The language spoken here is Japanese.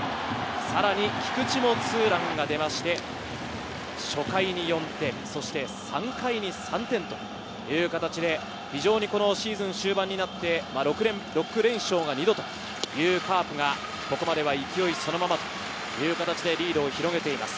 さらに菊池もツーランが出まして、初回に４点、３回に３点という形で非常にシーズン終盤になって６連勝が２度というカープがここまでは勢いそのままという形でリードを広げています。